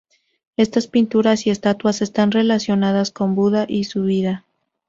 Estas pinturas y estatuas están relacionadas con Buda y su vida.